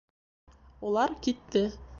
— Улар китте.